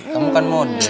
kamu kan mode